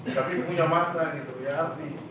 tapi itu punya makna punya arti